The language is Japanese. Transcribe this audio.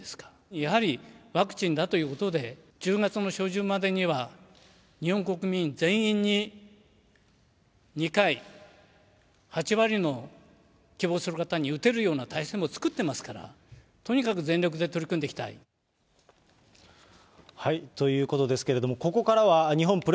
やはりワクチンだということで、１０月の初旬までには、日本国民全員に２回、８割の希望する方に打てるような体制も作ってますから、とにかく全力で取り組んでいきたい。ということですけれども、ここからは日本プロ